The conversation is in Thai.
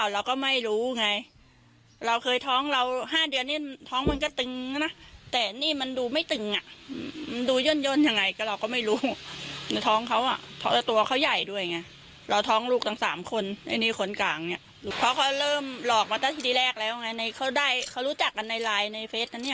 และเขาออกมาตั้งแต่ทีแรกแล้วไงนะเค้ารู้จักกันในไลน์ในเฟสอันนี้